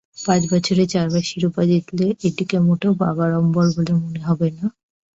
পাঁচ বছরে চারবার শিরোপা জিতলে এটিকে মোটেও বাগাড়ম্বর বলে মনে হবে না।